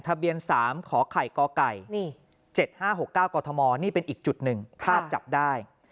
ทะเบียน๓ขอไข่กไก่๗๕๖๙กธมนี่เป็นอีกจุดหนึ่งภาพจับได้